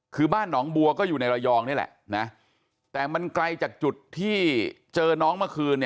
คือบ้านหนองบัวก็อยู่ในระยองนี่แหละนะแต่มันไกลจากจุดที่เจอน้องเมื่อคืน